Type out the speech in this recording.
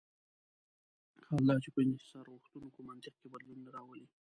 حال دا چې په انحصارغوښتونکي منطق کې بدلون نه راولي.